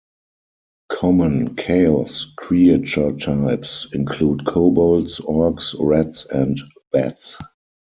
Common Chaos creature types include kobolds, orcs, rats and bats.